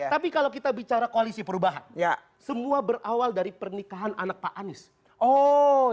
tapi kalau kita bicara koalisi perubahan semua berawal dari pernikahan anak pak anies oh